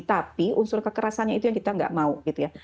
tapi unsur kekerasannya itu yang kita nggak mau gitu ya